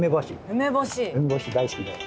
梅干し大好きで。